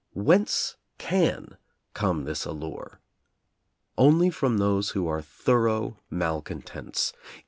Whence can come this allure? Only from those who are thorough malcontents.